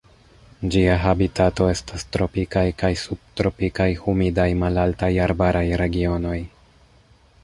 Ĝia habitato estas tropikaj kaj subtropikaj humidaj malaltaj arbaraj regionoj.